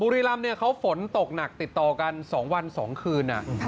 รีรำเขาฝนตกหนักติดต่อกัน๒วัน๒คืน